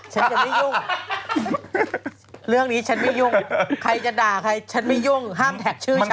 ฉันจะไม่ยุ่งเรื่องนี้ฉันไม่ยุ่งใครจะด่าใครฉันไม่ยุ่งห้ามแท็กชื่อฉัน